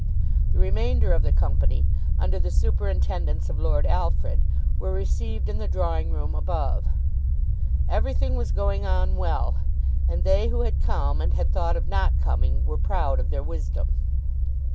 The remainder of the company, under the superintendence of Lord Alfred, were received in the drawing room above. Everything was going on well, and they who had come and had thought of not coming were proud of their wisdom.